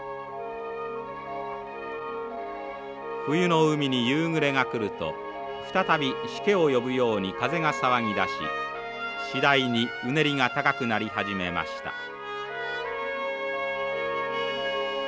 冬の海に夕暮れが来ると再びしけを呼ぶように風が騒ぎだし次第にうねりが高くなり始めました。